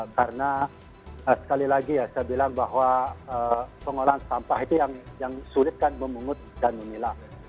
karena sekali lagi ya saya bilang bahwa pengolahan sampah itu yang sulit kan memungut dan memilah